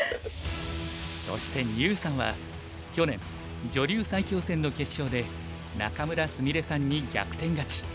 そして牛さんは去年女流最強戦の決勝で仲邑菫さんに逆転勝ち。